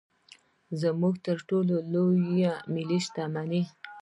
زموږ تر ټولو لویه ملي شتمني.